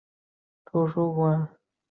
从征渤海国有功。